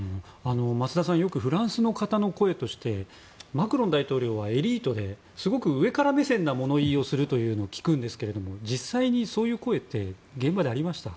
増田さんよくフランスの方の声としてマクロン大統領はエリートですごく上から目線な物言いをするって聞くんですけど実際にそういう声って現場でありましたか？